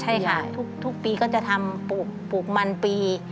ใช่ค่ะทุกปีก็จะทำปลูกมันปี